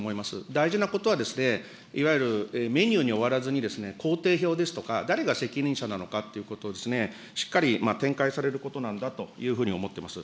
大事なことは、いわゆるメニューに終わらずに工程表ですとか、誰が責任者なのかということをしっかり展開されることなんだというふうに思ってます。